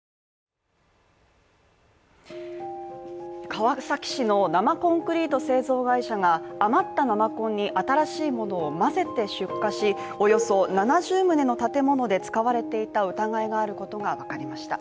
川崎市の生コンクリート製造会社が、余った生コンに新しいものを混ぜて出荷し、およそ７０棟の建物で使われていた疑いがあることがわかりました。